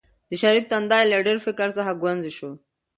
د شریف تندی له ډېر فکر څخه ګونځې شو.